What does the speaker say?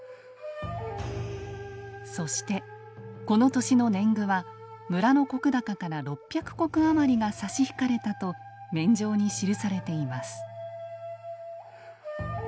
そしてこの年の年貢は村の石高から６００石余りが差し引かれたと免定に記されています。